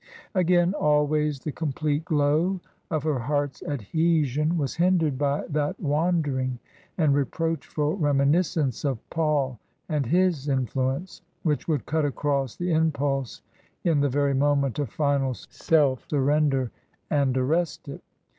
Again, always the complete glow of her heart's adhesion was hindered by that wandering and reproachful reminiscence of Paul and his influence, which would cut across the impulse in the very moment of final self surrender and arrest it.